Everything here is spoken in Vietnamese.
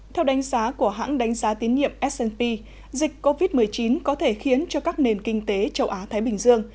theo đánh giá của hãng đánh giá tiến nhiệm s p dịch covid một mươi chín có thể khiến cho các nền kinh tế châu á thái bình dương